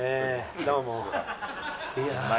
どうも。